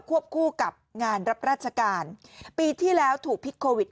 วบคู่กับงานรับราชการปีที่แล้วถูกพิษโควิด